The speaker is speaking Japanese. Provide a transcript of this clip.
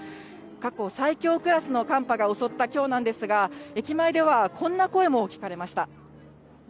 過去最強クラスの寒波が襲ったきょうなんですが、駅前ではこんな声も聞かれました。